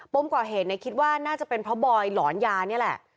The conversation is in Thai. มก่อเหตุคิดว่าน่าจะเป็นเพราะบอยหลอนยานี่แหละ